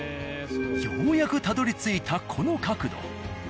ようやくたどりついたこの角度。